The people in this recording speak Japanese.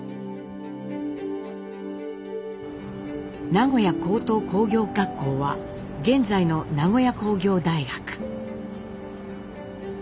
名古屋高等工業学校は現在の名古屋工業大学。